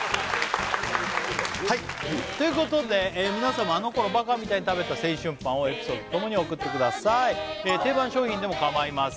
はいということで皆様あの頃バカみたいに食べた青春パンをエピソードとともに送ってください定番商品でも構いません